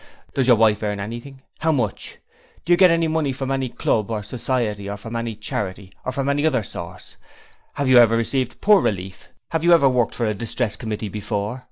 'Does your wife earn anything? How much?' 'Do you get any money from any Club or Society, or from any Charity, or from any other source?' 'Have you ever received Poor Relief?' 'Have you ever worked for a Distress Committee before?'